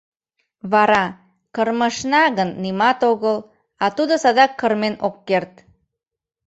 Вара: — Кырмышна гын, нимат огыл... а тудо садак кырмен ок керт...